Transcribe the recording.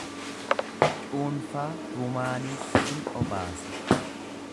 Cuunfaa rumaaniis sin obaasa.